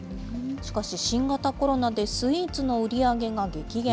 しかし、新型コロナでスイーツの売り上げが激減。